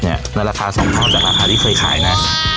ในราคา๒เท่าจากราคาที่เคยขายนะ